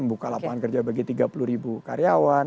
membuka lapangan kerja bagi tiga puluh ribu karyawan